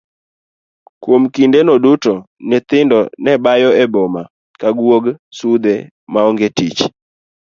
Kuom kinde no duto nyithindo nebayo e boma ka guog sudhe maonge tich.